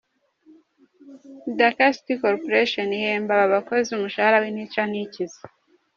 Dhaka City Corporation ihemba aba bakozi umushahara w’intica ntikize.